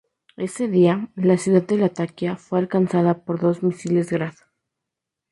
Ese día, la ciudad de Latakia fue alcanzada por dos misiles Grad.